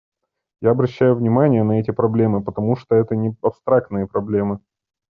Я обращаю внимание на эти проблемы, потому что это не абстрактные проблемы.